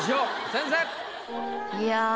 先生。